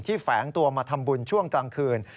แฝงตัวมาทำบุญช่วงกลางคืน